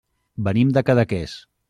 Venim de Cadaqués.